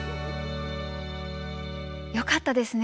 よかったですね。